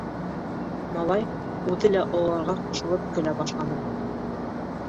Малай үҙе лә ололарға ҡушылып көлә башланы.